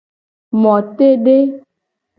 Motede.